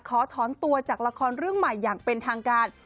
ขอถอนตัวจากละครเรื่องใหม่อย่างเป็นทางการ